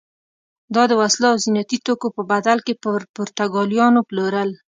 دا د وسلو او زینتي توکو په بدل کې پر پرتګالیانو پلورل.